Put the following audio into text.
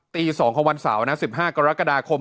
ตี๒ของวันเสาร์นะ๑๕กรกฎาคม